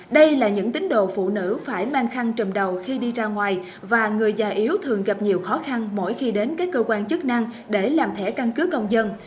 đây là những tín đồ phụ nữ phải mang khăn trầm đầu khi đi ra ngoài và người già yếu thường gặp nhiều khó khăn mỗi khi đến các cơ quan chức năng để làm thẻ căn cứ công dân